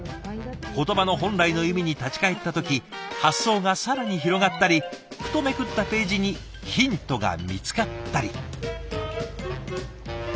言葉の本来の意味に立ち返った時発想が更に広がったりふとめくったページにヒントが見つかったり。